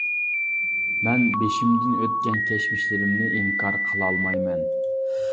مەن بېشىمدىن ئۆتكەن كەچمىشلىرىمنى ئىنكار قىلالمايمەن.